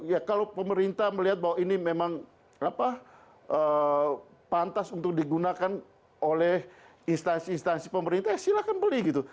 ya kalau pemerintah melihat bahwa ini memang pantas untuk digunakan oleh instansi instansi pemerintah ya silahkan beli gitu